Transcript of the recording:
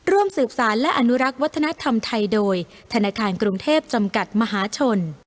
ร่วมสืบสารและอนุรักษ์วัฒนธรรมไทยโดยธนาคารกรุงเทพจำกัดมหาชน